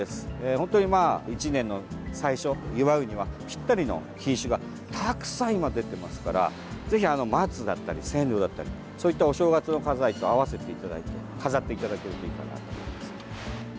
本当に１年の最初を祝うにはぴったりの品種がたくさん今、出ていますからぜひ、松だったりセンリョウだったりそういったお正月用の花材と合わせていただいて飾っていただけるといいかなと思います。